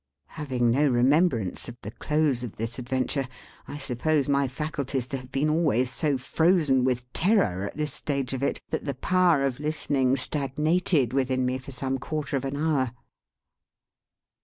Having no remembrance of the close of this adventure, I suppose my faculties to have been always so frozen with terror at this stage of it, that the power of listening stagnated within me for some quarter of an hour.